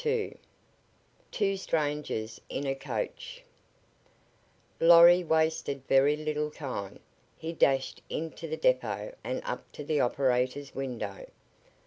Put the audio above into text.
II. TWO STRANGERS IN A COACH Lorry wasted very little time. He dashed into the depot and up to the operator's window.